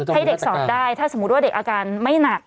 ให้เด็กสอบได้ถ้าสมมุติว่าเด็กอาการไม่หนัก